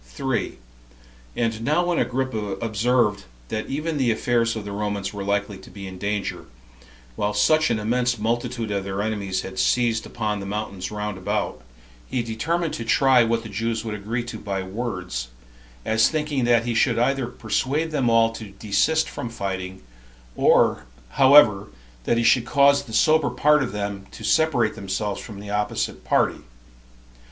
3. And now when Agrippa observed that even the affairs of the Romans were likely to be in danger, while such an immense multitude of their enemies had seized upon the mountains round about, he determined to try what the Jews would agree to by words, as thinking that he should either persuade them all to desist from fighting, or, however, that he should cause the sober part of them to separate themselves from the opposite party.